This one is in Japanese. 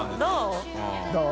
どう？